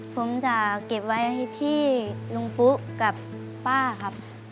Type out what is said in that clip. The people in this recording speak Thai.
ผมจะเก็บไว้ที่ลุงปุ๊กับป้าครับ